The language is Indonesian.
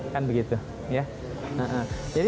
kan begitu ya